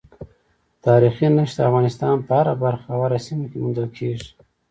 تاریخي نښې د افغانستان په هره برخه او هره سیمه کې موندل کېږي.